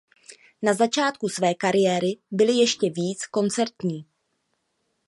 Na začátku své kariéry byli ještě víc koncertní.